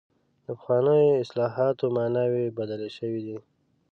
د پخوانیو اصطلاحاتو معناوې بدلې شوې دي.